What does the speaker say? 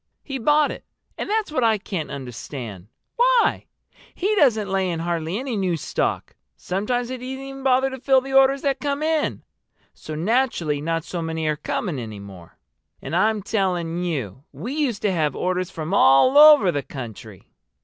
"He bought it. And that's what I can't understand. Why? He doesn't lay in hardly any new stock. Sometimes he doesn't even bother to fill the orders that come in! So naturally not so many are coming any more. And I'm telling you we used to have orders from all over the country!"